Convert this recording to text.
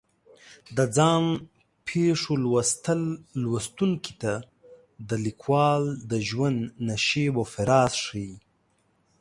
د ځان پېښو لوستل لوستونکي ته د لیکوال د ژوند نشیب و فراز ښیي.